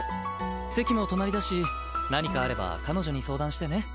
席も隣だし何かあれば彼女に相談してね。